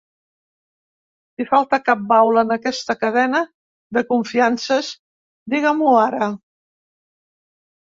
Si falta cap baula en aquesta cadena de confiances, diguem-ho ara.